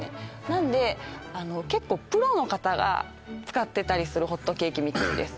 なんで結構プロの方が使ってたりするホットケーキミックスです